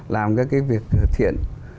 làm các cái việc thiện